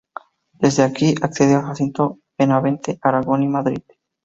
Desde aquí, accede a Jacinto Benavente, Aragón y Madrid.